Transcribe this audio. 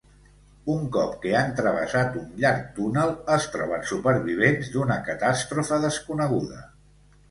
Un cop que han travessat un llarg túnel, es troben supervivents d'una catàstrofe desconeguda.